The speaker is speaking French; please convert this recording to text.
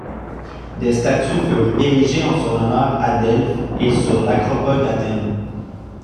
Des statues furent érigées en son honneur à Delphes et sur l'Acropole d'Athènes.